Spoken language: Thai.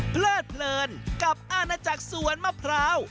เพลิดเพลินกับอาณาจักรสวนมะพร้าว